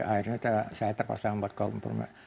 akhirnya saya terpaksa membuat kompromi